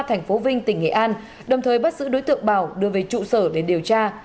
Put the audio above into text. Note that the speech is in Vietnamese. thành phố vinh tỉnh nghệ an đồng thời bắt giữ đối tượng bảo đưa về trụ sở để điều tra